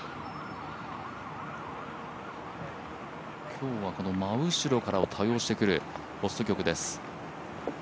今日はこの真後ろからを多用してくるホスト局です。